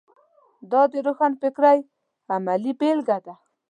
دا د روښانفکرۍ عملي بېلګه ده.